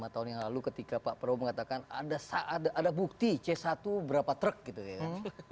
lima tahun yang lalu ketika pak prabowo mengatakan ada bukti c satu berapa truk gitu ya kan